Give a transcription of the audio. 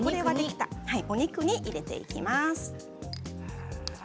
お肉に入れていきます。